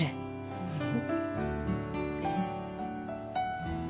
フフフ。